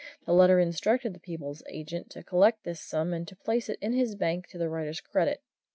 The letter instructed the Peebles agent to collect this sum and to place it in his bank to the writer's credit.